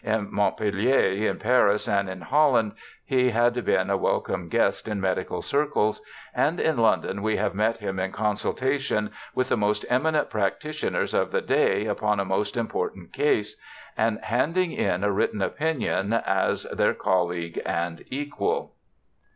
In Montpellier, in Paris, and in Holland he had been a welcome guest in medical circles, and in London we have met him in consultation with the most eminent practitioners of the day upon a most important case, and handing in a written opinion as their colleague and equal.